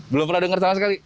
belum pernah dengar sama sekali